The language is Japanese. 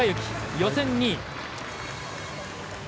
予選２位。